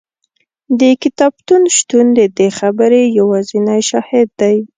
د کتابتون شتون د دې خبرې یوازینی شاهد دی.